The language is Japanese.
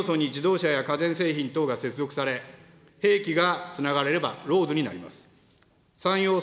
３要素に自動車や家電製品等が接続され、兵器がつながればＬＡＷＳになります。